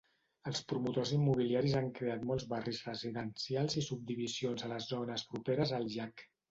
Els promotors immobiliaris han creat molts barris residencials i subdivisions a les zones properes al llac.